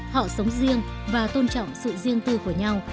họ sống riêng và tôn trọng sự riêng tư của nhau